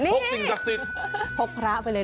พกสิ่งศักดิ์สิทธิ์